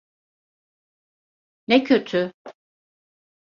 Ne kötü!